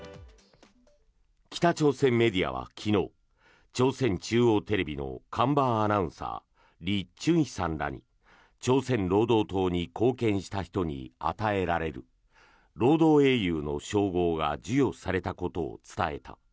北朝鮮メディアは昨日朝鮮中央テレビの看板アナウンサーリ・チュンヒさんらに朝鮮労働党に貢献した人に与えられる労働英雄の称号が授与されたことを伝えた。